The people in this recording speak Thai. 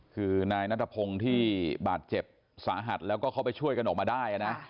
คือนายนัทพงศ์ที่บาดเจ็บสาหัสแล้วก็เขาไปช่วยกันออกมาได้นะ